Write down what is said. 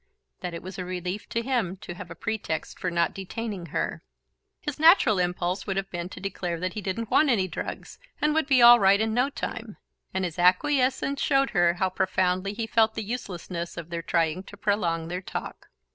that it was a relief to him to have a pretext for not detaining her. His natural impulse would have been to declare that he didn't want any drugs, and would be all right in no time; and his acquiescence showed her how profoundly he felt the uselessness of their trying to prolong their talk.